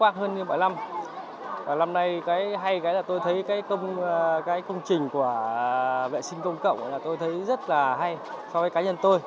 thế là tôi thấy cái công trình của vệ sinh công cộng là tôi thấy rất là hay so với cá nhân tôi